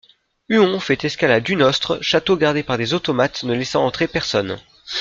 Huon fait escale à Dunostre, château gardé par des automates ne laissant entrer personne.